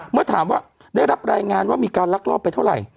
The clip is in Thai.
เมื่อถามว่าได้รับรายงานว่ามีการลักลอบไปเท่าไหร่